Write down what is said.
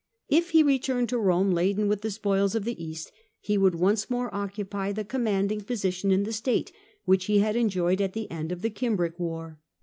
If he returned to Rome laden with the spoils of the East, he would once more occupy the commanding position in the state which he had enjoyed at the end of the Cimbric war.